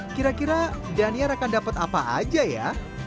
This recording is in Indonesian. kira kira daniar akan dapat apa aja ya